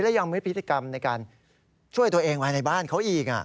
และยังมีพฤติกรรมในการช่วยตัวเองภายในบ้านเขาอีก